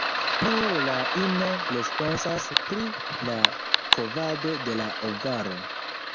Nur la ino responsas pri la kovado de la ovaro.